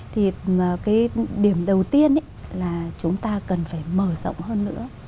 thì cái điểm đầu tiên là chúng ta cần phải mở rộng hơn nữa